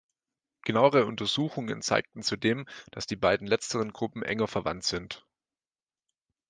Genauere Untersuchungen zeigten zudem, dass die beiden letzteren Gruppen enger verwandt sind.